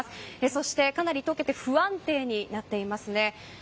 そして、かなり解けて不安定になっていますね。